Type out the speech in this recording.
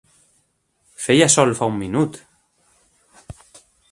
Feia sol fa un minut!